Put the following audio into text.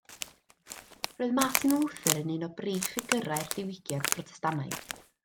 Roedd Martin Luther yn un o brif ffigurau'r Diwygiad Protestannaidd.